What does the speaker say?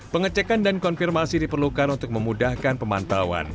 pengecekan dan konfirmasi diperlukan untuk memudahkan pemantauan